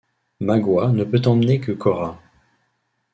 Magua ne peut emmener que Cora.